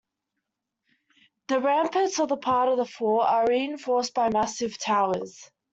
The ramparts of this part of the fort are reinforced by massive towers.